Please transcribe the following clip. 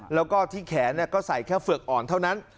แล้วก็ที่แขนก็ใส่แค่เฝือกอ่อนเท่านั้น